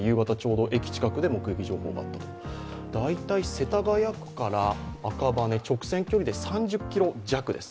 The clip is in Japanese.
世田谷区から赤羽、直線距離で３０ｋｍ弱です。